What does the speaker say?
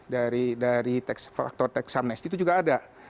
dari faktor teksamnesti itu juga ada